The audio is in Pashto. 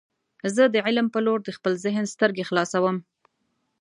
زه د علم په لور د خپل ذهن سترګې خلاصوم.